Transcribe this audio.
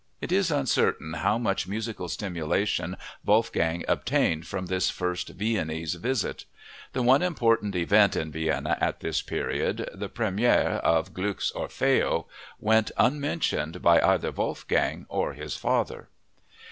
It is uncertain how much musical stimulation Wolfgang obtained from this first Viennese visit. The one important event in Vienna at this period—the première of Gluck's Orfeo—went unmentioned by either Wolfgang or his father.